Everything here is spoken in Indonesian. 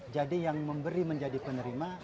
jadi yang memberi menjadi penerima